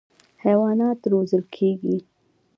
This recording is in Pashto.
حیوانات روزل کېږي.